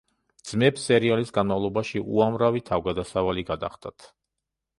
ძმებს სერიალის განმავლობაში უამრავი თავგადასავალი გადახდათ.